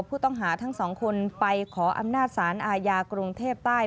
ผู้ต้องหาทั้งสองคนไปขออำนาจสารอาญากรุงเทพใต้